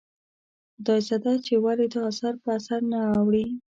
خدایزده چې ولې دا اثر په اثر نه اوړي ؟